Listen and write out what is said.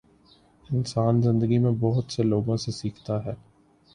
انسان زندگی میں بہت سے لوگوں سے سیکھتا ہے۔